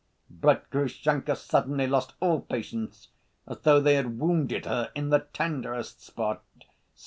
But Grushenka suddenly lost all patience, as though they had wounded her in the tenderest spot.